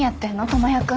智也君。